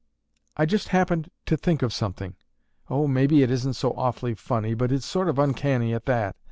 "I just happened to think of something. Oh, maybe it isn't so awfully funny, but it's sort of uncanny at that.